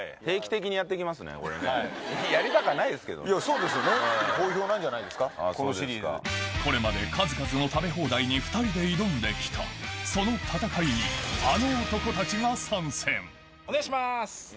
そうですよねでも好評なんじゃないですかこのシリーズ。これまで数々の食べ放題に２人で挑んできたその戦いにお願いします。